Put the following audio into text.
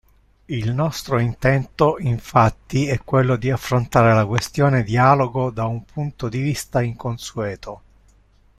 Il nostro intento, infatti, è quello di affrontare la questione-dialogo da un punto di vista inconsueto.